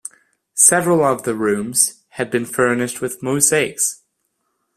Several of the rooms had been furnished with mosaics.